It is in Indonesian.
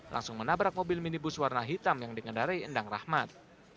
langsung menabrak mobil minibus warna hitam yang dikendari endang rahmat